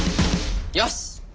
よし！